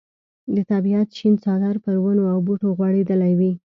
د طبیعت شین څادر پر ونو او بوټو غوړېدلی وي.